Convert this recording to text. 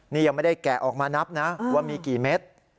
นี่ยังไม่ได้แกะออกมานับนะว่ามีกี่เม็ด